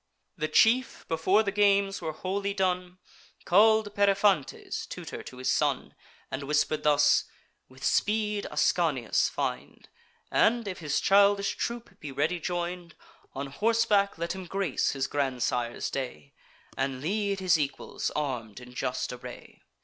The chief, before the games were wholly done, Call'd Periphantes, tutor to his son, And whisper'd thus: "With speed Ascanius find; And, if his childish troop be ready join'd, On horseback let him grace his grandsire's day, And lead his equals arm'd in just array."